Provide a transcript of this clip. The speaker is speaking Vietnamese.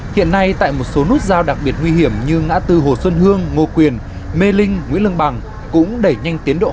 hiện nay tại một số nút giao đặc biệt nguy hiểm như ngã tư hồ xuân hương ngô quyền mê linh